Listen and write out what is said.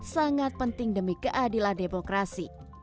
sangat penting demi keadilan demokrasi